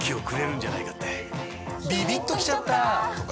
ビビッときちゃった！とか